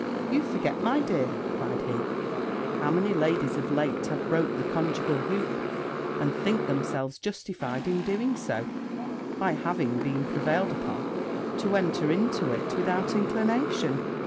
'You forget, my dear,' cried he, 'how many ladies of late have broke the conjugal hoop, and think themselves justified in doing so, by having been prevailed upon to enter into it without inclination.